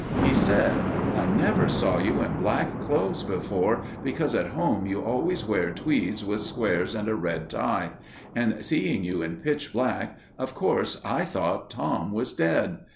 He said: "I never saw you in black clothes before, because at home you always wear tweeds with squares and a red tie; and seeing you in pitch black, of course I thought Tom was dead.